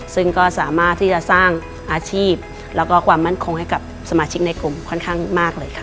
ซึ่งก็สามารถที่จะสร้างอาชีพแล้วก็ความมั่นคงให้กับสมาชิกในกลุ่มค่อนข้างมากเลยค่ะ